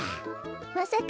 まさか。